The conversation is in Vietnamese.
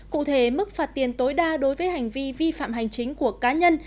cụ thể mức phạt tiền tối đa đối với hành vi vi phạm hành chính của cá nhân